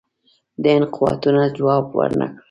د هند قوتونو جواب ورنه کړ.